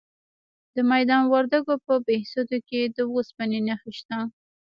د میدان وردګو په بهسودو کې د اوسپنې نښې شته.